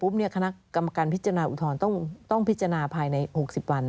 ไปปุ๊บเนี่ยคณะกรรมการพิจารณาอุทธรณ์ต้องต้องพิจารณาภายในหกสิบวัน